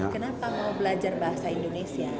kenapa mau belajar bahasa indonesia